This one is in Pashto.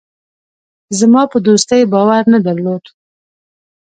زما په دوستۍ باور نه درلود.